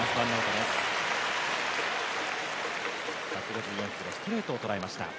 １５４キロ、ストレートを捉えました。